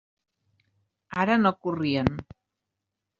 Ara no corrien.